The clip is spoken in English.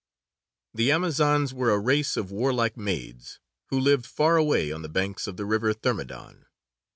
The Amazons were a race of warlike maids, who lived far away on the banks of the river Thermodon.